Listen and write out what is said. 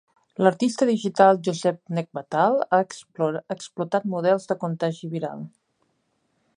L'artista digital Joseph Nechvatal ha explotat models de contagi viral.